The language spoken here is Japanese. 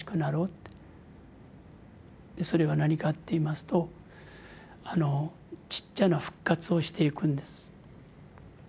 それは何かって言いますとちっちゃな復活をしていくんです。